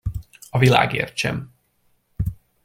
A világért sem!